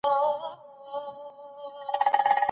هغه په مراقبه کولو بوخت دی.